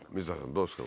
どうですか？